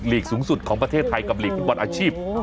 ลีกสูงสุดของประเทศไทยกับลีกฟุตบอลอาชีพ